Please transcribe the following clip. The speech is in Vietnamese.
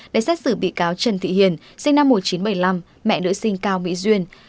đã xét xử bị cáo trần thị hiền sinh năm một nghìn chín trăm bảy mươi năm mẹ nữ sinh cao mỹ duyên